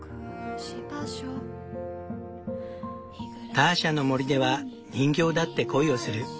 ターシャの森では人形だって恋をする。